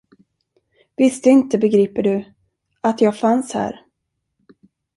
Visste inte, begriper du, att jag fanns här.